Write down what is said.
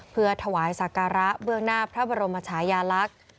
เพื่อถวายสักการะเบื้องหน้าพระบรมชายาลักษณ์